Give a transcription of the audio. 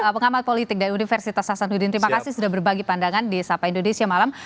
pengamat politik dari universitas hasanuddin terima kasih sudah berbagi pandangan di sapa indonesia malam